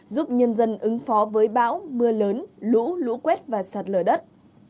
giúp nhân dân ứng phó với bão mưa lớn lũ lũ quét và sạt lở đất